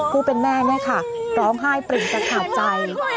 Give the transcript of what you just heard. ผู้เป็นแม่เนี่ยค่ะร้องไห้ปริ่มจะขาดใจ